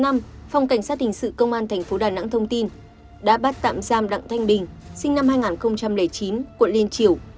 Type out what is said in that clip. ngày bảy năm phòng cảnh sát hình sự công an tp đà nẵng thông tin đã bắt tạm giam đặng thanh bình sinh năm hai nghìn chín quận liên triều